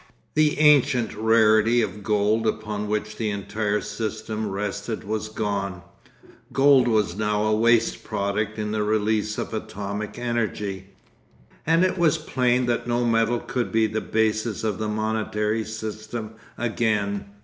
The ancient rarity of gold upon which the entire system rested was gone. Gold was now a waste product in the release of atomic energy, and it was plain that no metal could be the basis of the monetary system again.